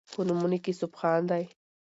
په نومونو کې سبحان دی